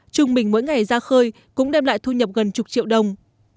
trung bình mỗi ngày ra khơi cũng đem lại thu nhập gần chục triệu đồng